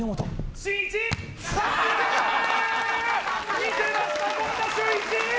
見てました、権田修一！